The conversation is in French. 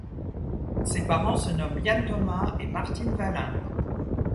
Ses parents se nomment Ian Thomas et Martine Valin.